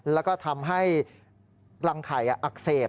แล้วก็ทำให้รังไข่อักเสบ